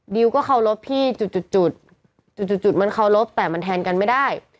ดิวก็เคารพพี่จุดจุดจุดจุดจุดจุดมันเคารพแต่มันแทนกันไม่ได้